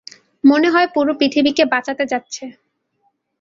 মনে হয় পুরো পৃথিবীকে বাঁচাতে যাচ্ছে।